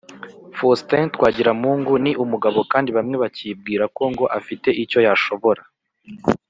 Faustin Twagiramungu ni umugabo kandi bamwe bacyibwira ko ngo afite icyo yashobora